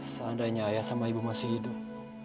seandainya ayah sama ibu masih hidup